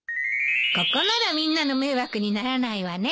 ここならみんなの迷惑にならないわね。